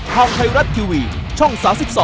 ทางไทยรัฐทีวีช่อง๓๒